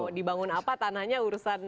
mau dibangun apa tanah nya urusan